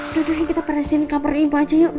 udah udah kita beresin kamar ibu aja yuk